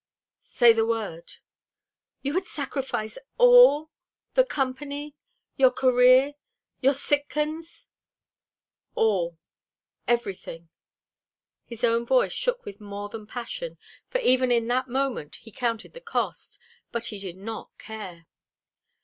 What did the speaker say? "Say the word!" "You would sacrifice all the Company your career your Sitkans?" "All everything." His own voice shook with more than passion, for even in that moment he counted the cost, but he did not care.